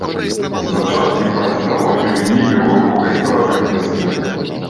Зачаткі паразіталогіі ўзніклі ў глыбокай старажытнасці.